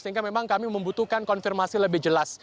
sehingga memang kami membutuhkan konfirmasi lebih jelas